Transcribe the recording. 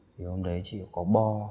thì hôm đấy chị có bò